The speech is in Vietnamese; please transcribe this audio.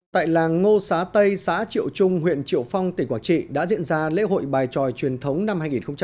tại làng ngô xá tây xã triệu trung huyện triệu phong tỉnh quảng trị đã diễn ra lễ hội bài tròi truyền thống năm hai nghìn một mươi chín